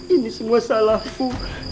ini semua salahku